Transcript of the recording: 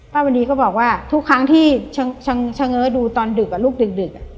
ป้าวันดีก็บอกว่าทุกครั้งที่ชังเออดูตอนดึกอะลูกดึกอะ